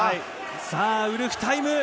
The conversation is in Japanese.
さあ、ウルフタイム。